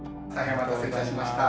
お待たせしました。